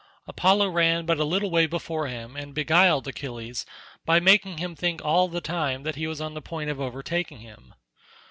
Apollo ran but a little way before him and beguiled Achilles by making him think all the time that he was on the point of overtaking him.